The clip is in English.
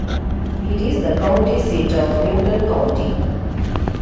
It is the county seat of Newton County.